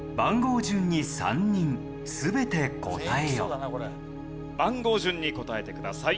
そんな番号順に答えてください。